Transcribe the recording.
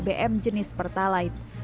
bbm jenis pertalite